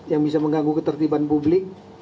yang bisa mengganggu ketertiban publik